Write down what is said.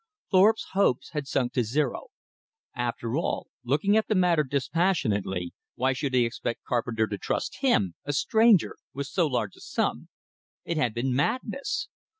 Thorpe's hopes had sunk to zero. After all, looking at the matter dispassionately, why should he expect Carpenter to trust him, a stranger, with so large a sum? It had been madness.